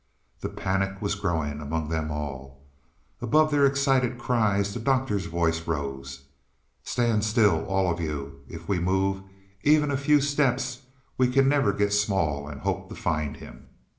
The panic was growing among them all. Above their excited cries the Doctor's voice rose. "Stand still all of you. If we move even a few steps we can never get small and hope to find him."